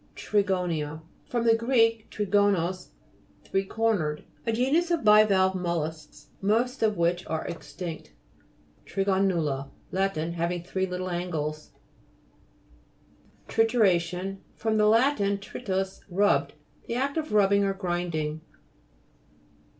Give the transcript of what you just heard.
TRIGO'NIA fr. gr. trigonos, three cornered. A genus of bivalve mol lusks most of which are extinct. THIGO'NULA Lat. Having three little angles. TRILOBITE (p. 28). TRITURA'TION fr. \&t.tritus, rubbed. The act of rubbing or grinding.